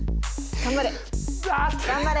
頑張れ！